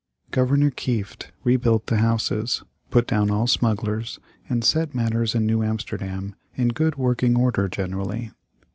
Governor Kieft rebuilt the houses, put down all smugglers, and set matters in New Amsterdam in good working order generally.